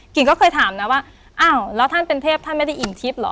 ก็เคยถามนะว่าอ้าวแล้วท่านเป็นเทพท่านไม่ได้อิ่งทิพย์เหรอ